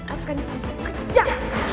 akan aku kejar